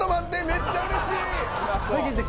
めっちゃうれしい！